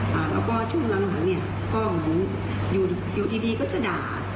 แล้วก็ช่วงละหวัดเนี่ยก็อยู่ดีก็จะด่า